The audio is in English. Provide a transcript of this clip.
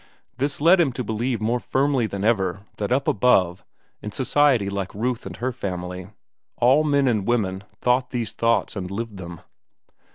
This led him to believe more firmly than ever that up above him, in society like Ruth and her family, all men and women thought these thoughts and lived them.